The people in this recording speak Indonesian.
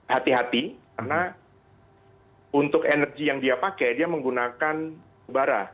hati hati karena untuk energi yang dia pakai dia menggunakan bara